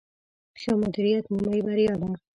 ښه مدیریت، نیمایي بریا ده